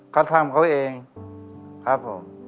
เขาทำเขาเองครับผม